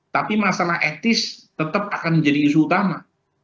tapi masalah etis tetap akan menjadi isu utama